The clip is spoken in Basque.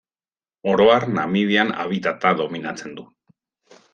Oro har, Namibian habitata dominatzen du.